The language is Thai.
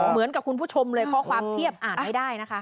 เหมือนกับคุณผู้ชมเลยข้อความเทียบอ่านไม่ได้นะคะ